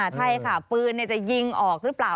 ใช่ค่ะปืนจะยิงออกหรือเปล่า